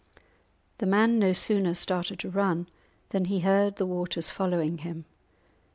The man no sooner started to run than he heard the waters following him.